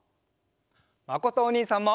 まことおにいさんも。